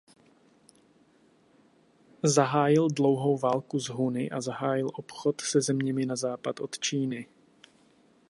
Zahájil dlouhou válku s Huny a zahájil obchod se zeměmi na západ od Číny.